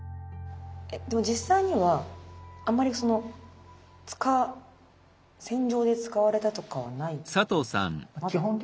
でも実際にはあんまりその戦場で使われたとかはないってことなんですかね？